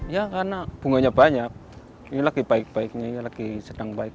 ya karena bunganya banyak ini lagi baik baiknya lagi sedang baik